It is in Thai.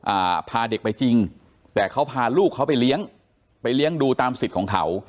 อ่าพาเด็กไปจริงแต่เขาพาลูกเขาไปเลี้ยงไปเลี้ยงดูตามสิทธิ์ของเขา